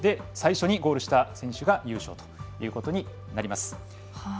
最初にゴールした選手が優勝ということになります。